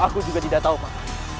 aku juga tidak tahu pak